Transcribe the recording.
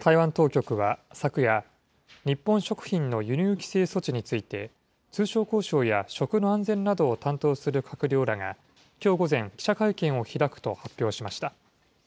台湾当局は昨夜、日本食品の輸入規制措置について、通商交渉や食の安全などを担当する閣僚らがきょう午前、記者会見を開くと発表しました。